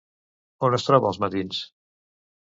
On es troba als matins?